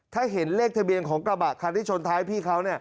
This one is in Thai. ถ้าเห็นเลขทะเบียนของกระบะคันที่ชนท้ายพี่เขา